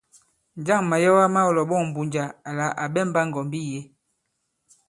Njâŋ màyɛwa mā ɔ lɔ̀ɓɔ̂ŋ Mbunja àla à ɓɛmbā ŋgɔ̀mbi yě ?